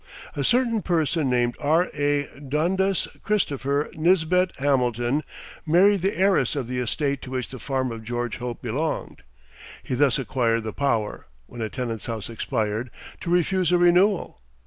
A certain person named R. A. Dundas Christopher Nisbet Hamilton married the heiress of the estate to which the farm of George Hope belonged. He thus acquired the power, when a tenant's lease expired, to refuse a renewal.